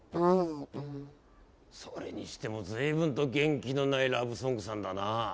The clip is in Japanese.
それにしても随分と元気のないラブソングさんだなぁ。